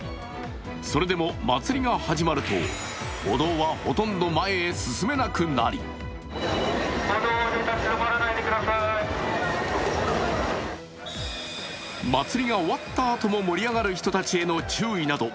それでも祭りが始まると歩道はほとんど前に進めなくなり祭りが終わったあとも盛り上がる人たちへの注意など